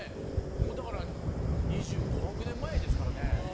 もうだから２５２６年前ですからね。